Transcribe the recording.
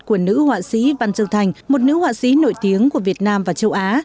của nữ họa sĩ văn dương thành một nữ họa sĩ nổi tiếng của việt nam và châu á